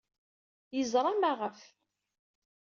Yeẓra maɣef.